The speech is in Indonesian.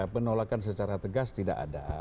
penolakan secara tegas tidak ada